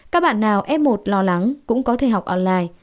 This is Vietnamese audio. các bạn nào f một lo lắng cũng có thể học online